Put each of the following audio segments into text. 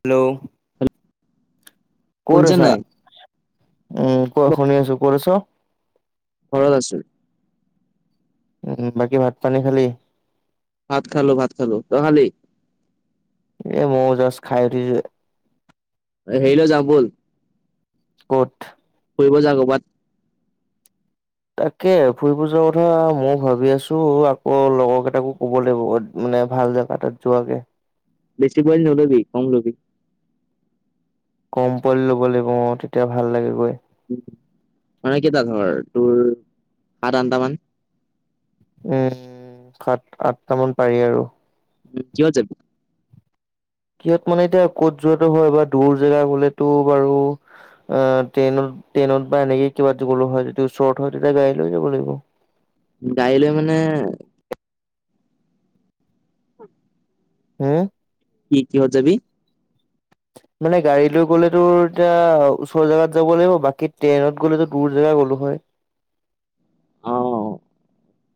Hello. ক'ত শুনিছা আছা? নাই উমঁ' কোৱা মই শুনি আছো, ক'ত আছ? ঘৰত আছো। উম' বাকী ভাত পানী খালি? ভাত খালো, ভাত খালো তই খালি। এ মইও যাষ্ট খাই উঠিচোহে। এই হেৰীলৈ যাওঁ বল। ক'ত? ফুৰিব যাওঁ কৰ'বাত। তাকে, ফুৰিব যোৱাৰ কথা মইও ভাবি আছো আকৌ লগৰ কেইটাকো কব লাগিব মানে ভাল জেগা- এটাত যোৱাকে। বেছি পোৱালি নলবি কম লবি। কম পোৱালী ল'ব লাগিব অঁ' তেতিয়া ভাল লাগে গৈ। মানে কেইটা ঘৰ, তোৰ সাত-আঠটা মান? উমঁ' সাত-আঠটামান পাৰি আৰু। উ' কিহ'ত জাবি? কিহ'ত মানে এতিয়া ক'ত যোৱাতটো হয়বা দূৰ জেগা গ'লেতো বাৰু- আঁহ' ট্ৰেইনত-ট্ৰেইনত বা এনেকেই কিবা দিবলৈ হয় যদি ওচৰত হয় তেতিয়া গড়ী লৈ যাব লাগিব। গাড়ী লৈ মানে হুম'। কি কিহ'ত যাবি? মানে গাড়ী লৈ গ'লেতো এতিয়া ওচৰ জেগাত যাব লাগিব বাকী ট্ৰেইনত গ'লেতো দূৰ জেগা গ'লো হয়। অঁ', -অঁ',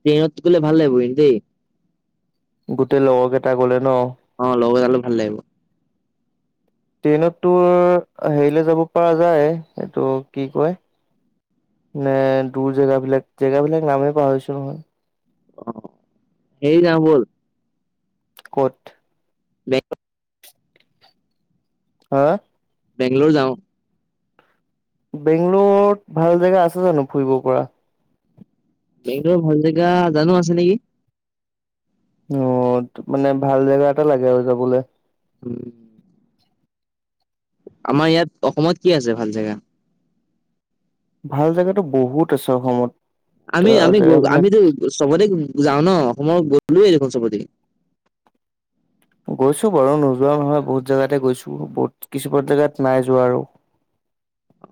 টেইনত গ'লে ভাল লাগিব কিন্তু দেই। গোটেই লগৰ কেইটা গ'লে ন'হ। অঁ' লগৰ গ'লে ভাল লাগিব। [unintelligible] ট্ৰেইনত তোৰ হেৰিলে যাব পৰা যায় এইটো কি কয়- মানে দূৰ জেগাবিলাক, জেগাবিলাক নামেই পাহৰিছোঁ মই। অ হেৰি যাওঁ বল। ক'ত? বে [inaudible] হা'। বেংগলোৰ যাওঁ। বেংগলোত ভাল জেগা আছে জানো ফুৰিব পৰা? বেংগলোৰৰ ভাল জেগা জানো আছে নেকি। অঁ, তো মানে ভাল জেগা এটা লাগে আৰু যাবলে। উম'। আমাৰ ইয়াত অসমত কি আছে ভাল জেগা? ভাল জেগাতো বহুত আছে অসমত। আমি আমি গ জেগাবিলাক আমিতো চবতে যাওঁ ন অসমৰ গলোৱে দেখোন চবতে। গৈছো বাৰু নোযোৱা নহয় বহুত জেগাতে গৈছো, বহুত কিছুমান জেগাত নাইযোৱা আৰু। অ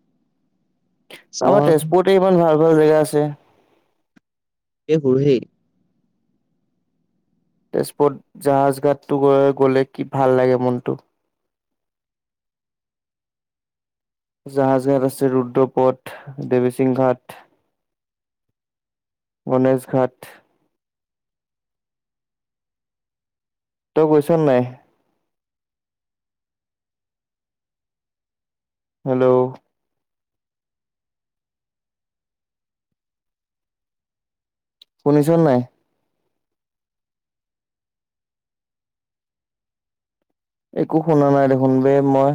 [inaudible] চাওঁ আমাৰ তেজপুৰতে ইমান ভাল ভাল জেগা আছে। এই বুঢ়ী তেজপুৰত জাহাজ ঘাটটো গ গ'লে কি ভাল লাগে মনটো। জাহাজঘাট আছে ৰুদ্ৰপথ, দেৱীসিং ঘাট, গণেশ ঘাট। তই গৈছ নাই? হেল্ল। শুনিছা নাই? একো শুনা নাই দেখোন বে মই।